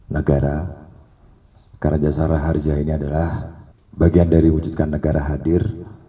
negara kerajaan ini adalah bagian dari wujudkan negara hadir